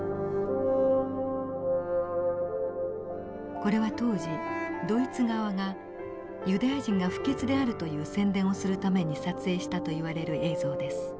これは当時ドイツ側がユダヤ人が不潔であるという宣伝をするために撮影したといわれる映像です。